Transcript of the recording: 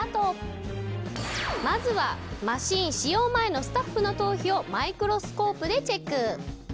まずはマシン使用前のスタッフの頭皮をマイクロスコープでチェック。